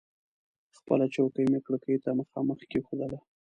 خپله چوکۍ مې کړکۍ ته مخامخ کېښودله.